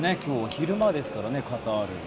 昼間ですからね、カタール。